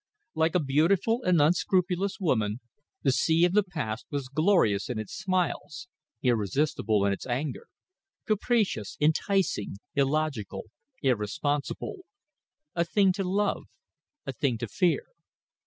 Like a beautiful and unscrupulous woman, the sea of the past was glorious in its smiles, irresistible in its anger, capricious, enticing, illogical, irresponsible; a thing to love, a thing to fear.